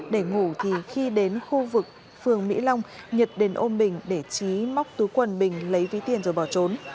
để ngủ thì khi đến khu vực phường mỹ long nhật đến ôm bình để trí móc túi quần bình lấy ví tiền rồi bỏ trốn